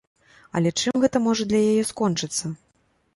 Але чым гэта можа для яе скончыцца?